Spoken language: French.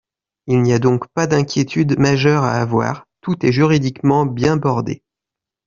Il n’y a donc pas d’inquiétude majeure à avoir, tout est juridiquement bien bordé.